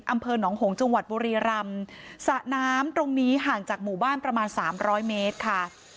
อำเภอหนองหงจังหวัดบุรีรำสระน้ำตรงนี้ห่างจากหมู่บ้านประมาณสามร้อยเมตรค่ะ